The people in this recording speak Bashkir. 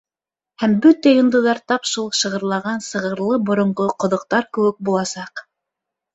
Һәм бөтә йондоҙҙар тап шул шығырлаған сығырлы боронғо ҡоҙоҡтар кеүек буласаҡ.